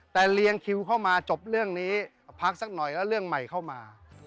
แต่เรียงคิวเข้ามาจบเรื่องนี้พักสักหน่อยแล้วเรื่องใหม่เข้ามา